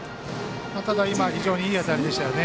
ただ、今非常にいい当たりでしたよね。